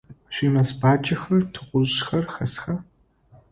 Шъуимэз баджэхэр, тыгъужъхэр хэсха?